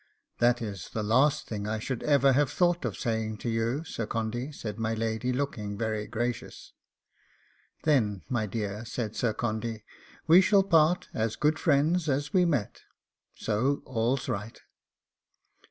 'That is the last thing I should ever have thought of saying of you, Sir Condy,' said my lady, looking very gracious. 'Then, my dear,' said Sir Condy, 'we shall part as good friends as we met; so all's right.